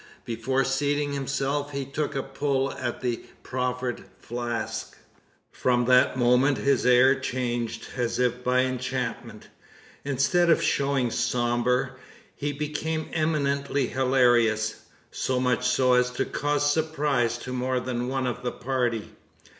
Before seating himself, he took a pull at the proffered flask. From that moment his air changed, as if by enchantment. Instead of showing sombre, he became eminently hilarious so much so as to cause surprise to more than one of the party.